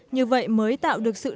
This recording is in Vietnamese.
như vậy mới tạo được sự nhập giới